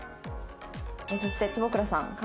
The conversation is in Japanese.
そして坪倉さん。